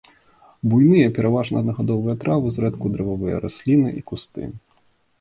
Буйныя, пераважна аднагадовыя травы, зрэдку дрэвавыя расліны і кусты.